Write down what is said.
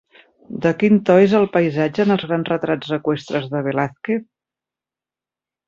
De quin to és el paisatge en els grans retrats eqüestres de Velázquez?